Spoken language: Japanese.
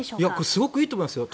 すごくいいと思いますよ。